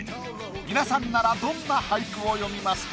皆さんならどんな俳句を詠みますか？